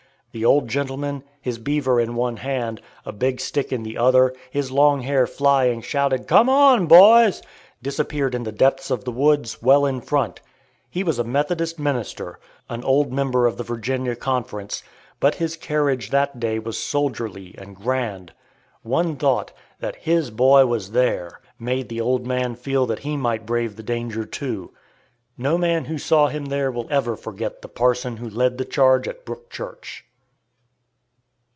The old gentleman, his beaver in one hand, a big stick in the other, his long hair flying, shouting, "Come on, boys!" disappeared in the depths of the woods, well in front. He was a Methodist minister, an old member of the Virginia Conference, but his carriage that day was soldierly and grand. One thought that his boy was there made the old man feel that he might brave the danger, too. No man who saw him there will ever forget the parson who led the charge at Brook Church.